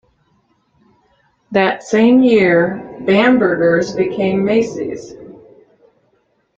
That same year, Bamberger's became Macy's.